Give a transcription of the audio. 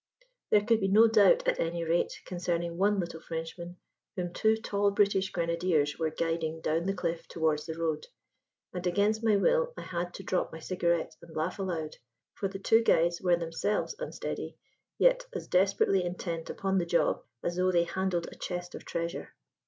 There could be no doubt, at any rate, concerning one little Frenchman whom two tall British grenadiers were guiding down the cliff towards the road. And against my will I had to drop my cigarette and laugh aloud: for the two guides were themselves unsteady, yet as desperately intent upon the job as though they handled a chest of treasure.